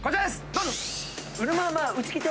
どうぞ！